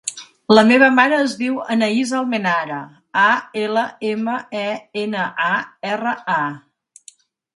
La meva mare es diu Anaïs Almenara: a, ela, ema, e, ena, a, erra, a.